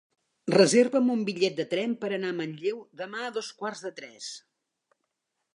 Reserva'm un bitllet de tren per anar a Manlleu demà a dos quarts de tres.